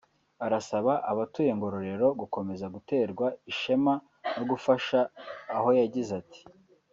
Arasaba abatuye Ngororero gukomeza guterwa ishema no gufasha aho yagize ati